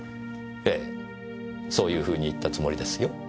ええそういう風に言ったつもりですよ。